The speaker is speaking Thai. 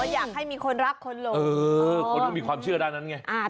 อยากให้มีคนรักคนหลงคนก็มีความเชื่อด้านนั้นไง